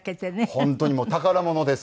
本当にもう宝物です。